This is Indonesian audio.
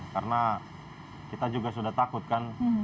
karena kita juga sudah takut kan